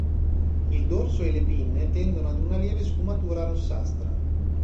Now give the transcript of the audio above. Il dorso e le pinne tendono ad una lieve sfumatura rossastra.